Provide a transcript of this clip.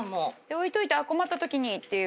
置いておいて困った時にっていう。